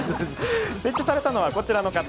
設置されたのは、こちらの方。